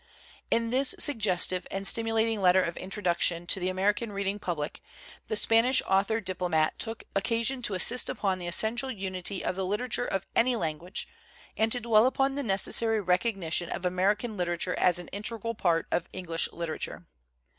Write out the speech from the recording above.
In this suggestive and stim ulating letter of introduction to the American reading public, the Spanish author diplomat took occasion to insist upon the essential unity of the literature of any language and to dwell upon the necessary recognition of American literature as an integral part of English literature.